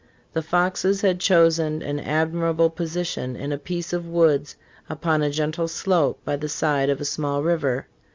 ^" The Foxes had chosen an admirable position in a piece of woods upon a gentle slope by the side of a small river.